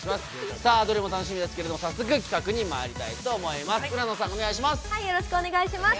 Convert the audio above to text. さあ、どれも楽しみですけれども、早速、企画にまいりたいと思いまよろしくお願いします。